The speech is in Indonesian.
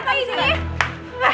lepaskan apa ini ya